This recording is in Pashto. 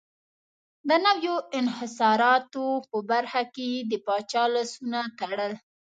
د نویو انحصاراتو په برخه کې یې د پاچا لاسونه تړل.